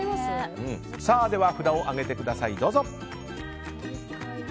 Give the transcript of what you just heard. では、札を上げてください。